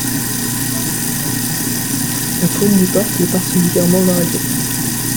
La faune du parc est particulièrement variée.